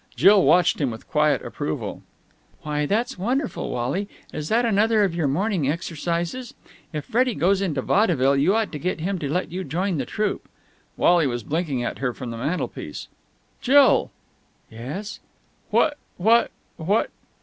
Jill watched him with quiet approval. "Why, that's wonderful, Wally! Is that another of your morning exercises? If Freddie does go into vaudeville, you ought to get him to let you join the troupe." Wally was blinking at her from the mantelpiece. "Jill!" "Yes?" "What what what...!"